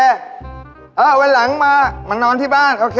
เอ่อไว้หลังมามานอนที่บ้านโอเค